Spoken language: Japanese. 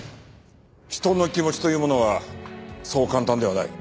人の気持ちというものはそう簡単ではない。